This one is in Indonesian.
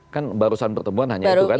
kan barusan pertemuan hanya itu kan